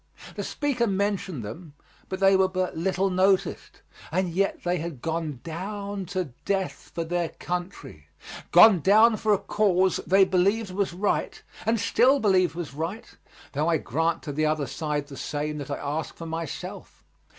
The speaker mentioned them, but they were but little noticed, and yet they had gone down to death for their country, gone down for a cause they believed was right and still believe was right, though I grant to the other side the same that I ask for myself.